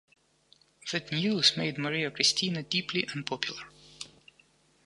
That news made Maria Christina deeply unpopular.